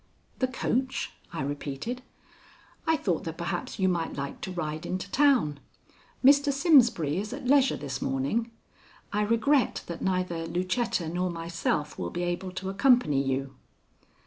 "The coach?" I repeated. "I thought that perhaps you might like to ride into town. Mr. Simsbury is at leisure this morning. I regret that neither Lucetta nor myself will be able to accompany you."